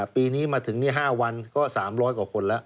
ปีนี้มาถึง๕วันก็๓๐๐กว่าคนแล้ว